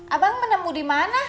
abang menemui dimana